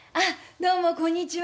どうも、こんにちは。